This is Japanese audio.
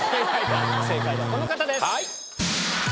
正解はこの方です。